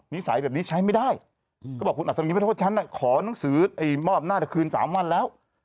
นิสัยแบบนี้ใช้ไม่ได้ก็บอกคุณอัดทำอย่างงี้ไม่ได้โทษฉันน่ะขอหนังสือไอ้มอบน่าจะคืนสามวันแล้ว